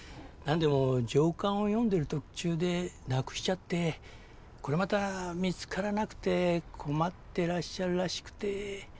なんでも上巻を読んでる途中でなくしちゃってこれまた見つからなくて困ってらっしゃるらしくて。